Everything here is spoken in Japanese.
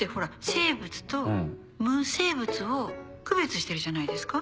生物と無生物を区別してるじゃないですか。